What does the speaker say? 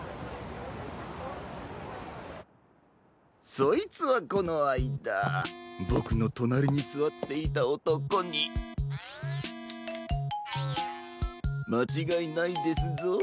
そいつはこのあいだボクのとなりにすわっていたおとこにまちがいないですぞ。